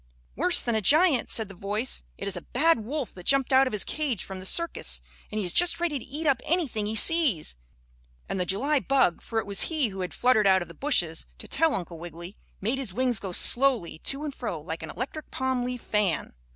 "Worse than a giant," said the voice. "It is a bad wolf that jumped out of his cage from the circus, and he is just ready to eat up anything he sees," and the July bug, for it was he who had fluttered out of the bushes, to tell Uncle Wiggily, made his wings go slowly to and fro like an electric palm leaf fan.